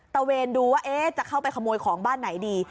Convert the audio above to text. เวนดูว่าจะเข้าไปขโมยของบ้านไหนดี